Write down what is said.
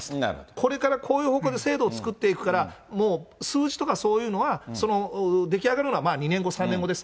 これからこういう方向で制度を作っていくから、もう数字とかそういうのはその出来上がるのは２年後、３年後です。